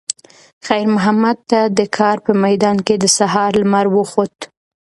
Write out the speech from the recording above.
خیر محمد ته د کار په میدان کې د سهار لمر وخوت.